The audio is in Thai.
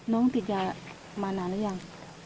น้องติดยามานานแล้วยัง